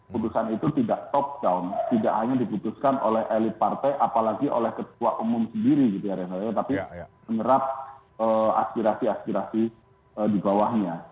putusan itu tidak top down tidak hanya diputuskan oleh elit partai apalagi oleh ketua umum sendiri gitu ya reza tapi menyerap aspirasi aspirasi di bawahnya